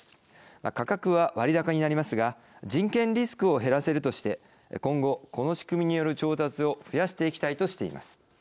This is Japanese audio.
価格は割高になりますが人権リスクを減らせるとして今後、この仕組みによる調達を増やしていきたいとしています。